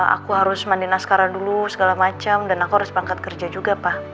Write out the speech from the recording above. aku harus mandi naskara dulu segala macem dan aku harus bangkat kerja juga pa